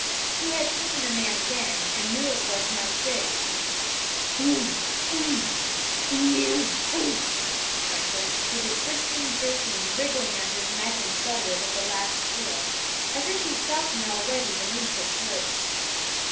He had seen the man again and knew it was no fish Unh! unh! eeeeeunh unh! he grunted, with a twisting, jerky wriggle of his neck and shoulders at the last squeal, as if he felt me already beneath his hoofs.